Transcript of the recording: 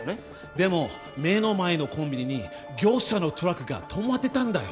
でも目の前のコンビニに業者のトラックが停まってたんだよ。